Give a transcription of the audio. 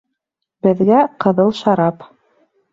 Беҙгә ҡыҙыл шарап